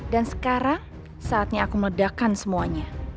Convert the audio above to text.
dan sekarang saatnya aku meledakkan semuanya